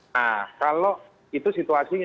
nah kalau itu situasinya